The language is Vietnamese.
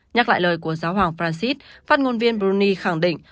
nhắc lại lời của giáo hoàng francis phát ngôn viên bruni khẳng định